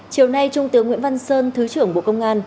chiều nay trung tướng nguyễn văn sơn thứ trưởng bộ công an